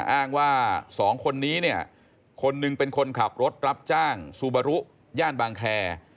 อ้างว่าสองคนนี้เนี่ยคนหนึ่งเป็นคนขับรถรับจ้างซูบารุย่านบางแคร์